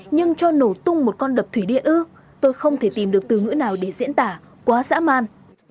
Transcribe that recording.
nhưng cho nổ tung một con đập thủy điện ư tôi không thể tìm được từ ngữ nào để diễn tả quá dã man